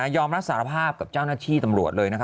อมรับสารภาพกับเจ้าหน้าที่ตำรวจเลย